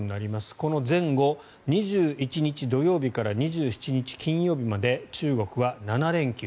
この前後、２１日土曜日から２７日金曜日まで中国は７連休。